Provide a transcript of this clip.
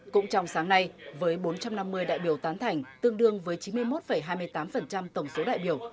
cũng trong sáng nay với bốn trăm năm mươi đại biểu tán thành tương đương với chín mươi một hai mươi tám tổng số đại biểu